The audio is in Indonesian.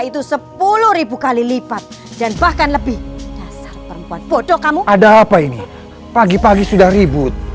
itu sepuluh ribu kali lipat dan bahkan lebih dasar perempuan bodoh kamu ada apa ini pagi pagi sudah ribut